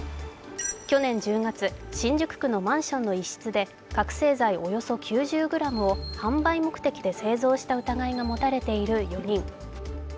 去年１０月新宿区のマンションの一室で、覚醒剤およそ９０ｇを販売目的で製造した疑いが持たれている４人。